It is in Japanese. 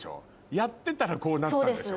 やってたらこうなったんでしょ？